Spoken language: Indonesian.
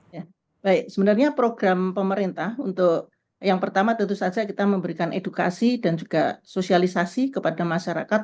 ya baik sebenarnya program pemerintah untuk yang pertama tentu saja kita memberikan edukasi dan juga sosialisasi kepada masyarakat